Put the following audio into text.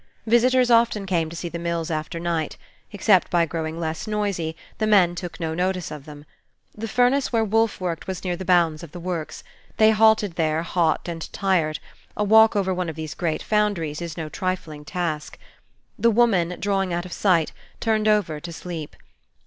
Visitors often came to see the mills after night: except by growing less noisy, the men took no notice of them. The furnace where Wolfe worked was near the bounds of the works; they halted there hot and tired: a walk over one of these great foundries is no trifling task. The woman, drawing out of sight, turned over to sleep.